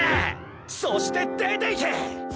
そして出ていけ！